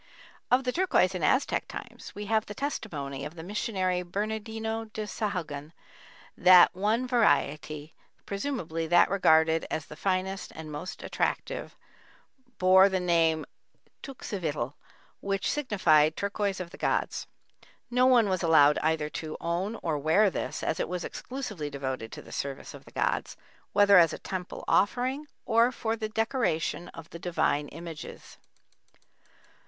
Of the turquoise in Aztec times we have the testimony of the missionary Bernardino de Sahagun that one variety, presumably that regarded as the finest and most attractive, bore the name teuxivitl, which signified "turquoise of the gods." No one was allowed either to own or wear this as it was exclusively devoted to the service of the gods, whether as a temple offering, or for the decoration of the divine images.